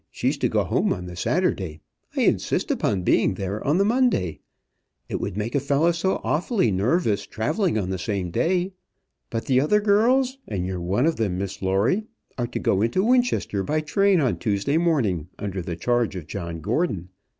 She's to go home on the Saturday. I insist upon being there on the Monday. It would make a fellow so awfully nervous travelling on the same day. But the other girls and you're one of them, Miss Lawrie are to go into Winchester by train on Tuesday morning, under the charge of John Gordon.